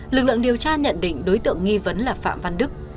lực lượng điều tra nhận định đối tượng nghi vấn là phạm văn đức